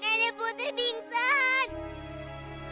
nenek putri pingsan